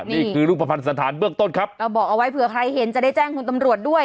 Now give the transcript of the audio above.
นี่คือรูปภัณฑ์สถานเบื้องต้นครับเราบอกเอาไว้เผื่อใครเห็นจะได้แจ้งคุณตำรวจด้วย